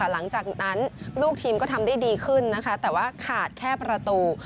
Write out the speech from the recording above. หลังจากนั้นลูกทีมก็ทำได้ดีขึ้นนะคะแต่ว่าขาดแค่ประตู